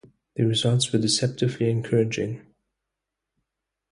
The results were deceptively encouraging.